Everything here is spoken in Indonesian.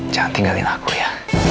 jangan tinggalin aku ya